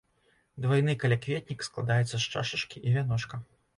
Двайны калякветнік складаецца з чашачкі і вяночка.